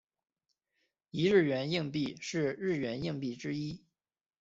一日圆硬币是日圆硬币之一。